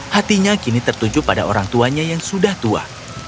hatinya kini tertuju pada orang tuanya yang sudah tua